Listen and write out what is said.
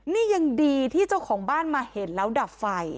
นี่ยังดีที่เจ้าของบ้านมาเห็นแล้วดับไฟ